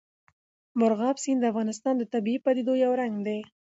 مورغاب سیند د افغانستان د طبیعي پدیدو یو رنګ دی.